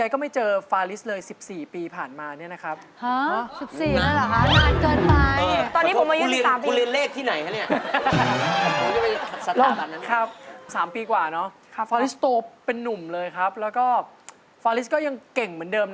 ครับ๓ปีกว่าน่ะครับเป็นหนุ่มเลยครับแล้วก็พี่ก็ยังเก่งเหมือนเดิม